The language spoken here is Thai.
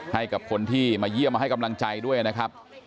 ให้กับคนที่มาเยี่ยมมาให้กำลังใจด้วยนะครับ